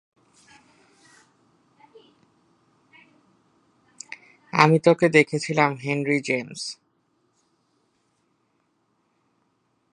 আমি তোকে দেখেছিলাম, হেনরি জেমস।